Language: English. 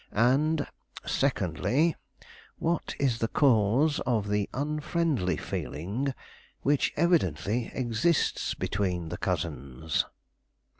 And secondly, what is the cause of the unfriendly feeling which evidently exists between the cousins."